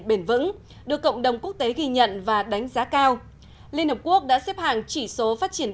bền vững được cộng đồng quốc tế ghi nhận và đánh giá cao liên hợp quốc đã xếp hàng chỉ số phát triển